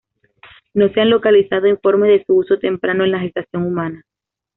No se han localizado informes de su uso temprano en la gestación humana.